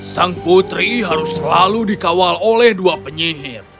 sang putri harus selalu dikawal oleh dua penyihir